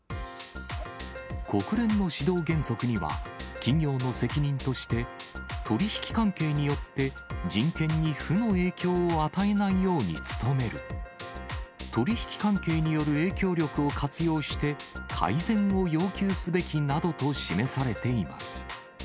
国連の指導原則には、企業の責任として、取り引き関係によって人権に負の影響を与えないように努める、取り引き関係による影響力を活用して、改善を要求すべきなどと示されています。